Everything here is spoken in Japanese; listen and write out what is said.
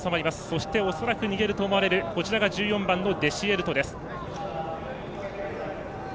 そして恐らく逃げると思われる１４番デシエルトです。